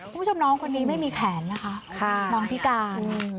คุณผู้ชมน้องคนนี้ไม่มีแขนนะคะน้องพิการ